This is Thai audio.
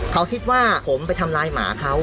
เขาคิดว่าผมไปทำลายหมาเขา